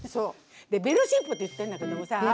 「ベロシップ」って言ってんだけどもさ。